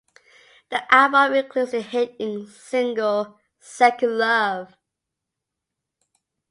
The album includes the hit single "Second Love".